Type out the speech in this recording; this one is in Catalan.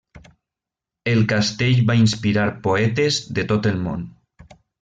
El castell va inspirar poetes de tot el món.